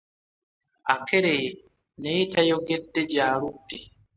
Akeereye naye tayogedde gy'aludde.